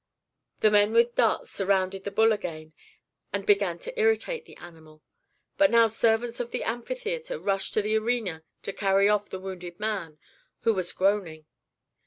The men with darts surrounded the bull again, and began to irritate the animal; but now servants of the amphitheatre rushed to the arena to carry off the wounded man, who was groaning.